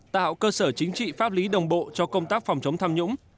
tạo cơ sở chính trị pháp lý đồng bộ cho công tác phòng chống tham nhũng